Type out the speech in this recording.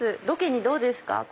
ロケにどうですか？